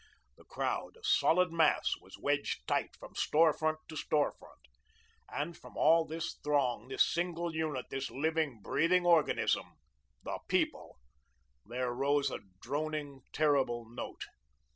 The crowd, a solid mass, was wedged tight from store front to store front. And from all this throng, this single unit, this living, breathing organism the People there rose a droning, terrible note.